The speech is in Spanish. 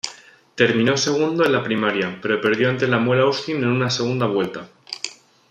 Terminó segundo en la primaria, pero perdió ante Lemuel Austin en una segunda vuelta.